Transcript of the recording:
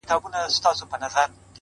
• د چا له کوره وشړمه سیوری د شیطان,